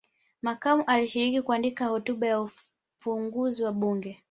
Makamba alishiriki kuandika hotuba ya ufunguzi wa bunge